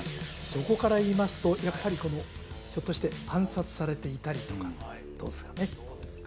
そこから言いますとやっぱりこのひょっとして暗殺されていたりとかどうですかね？